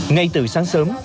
ngay từ sáng sớm